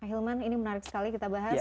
hilman ini menarik sekali kita bahas